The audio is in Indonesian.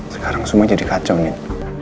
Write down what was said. sekarang semua jadi kacau nih